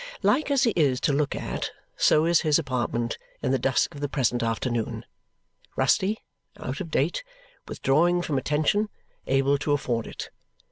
Like as he is to look at, so is his apartment in the dusk of the present afternoon. Rusty, out of date, withdrawing from attention, able to afford it.